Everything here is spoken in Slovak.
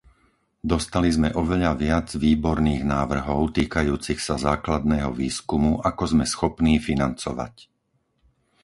Dostali sme oveľa viac výborných návrhov týkajúcich sa základného výskumu, ako sme schopní financovať.